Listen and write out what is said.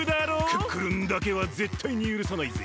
クックルンだけはぜったいにゆるさないぜ！